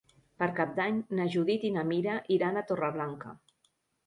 Per Cap d'Any na Judit i na Mira iran a Torreblanca.